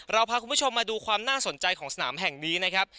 พาคุณผู้ชมมาดูความน่าสนใจของสนามแห่งนี้นะครับ